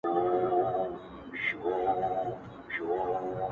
كه يم اورې كـــــه يـــم دلې خــلـگ خـبــري كـوي.